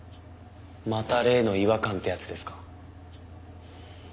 また例の違和感ってやつですか？